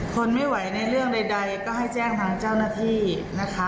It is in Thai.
ทนไม่ไหวในเรื่องใดก็ให้แจ้งทางเจ้าหน้าที่นะคะ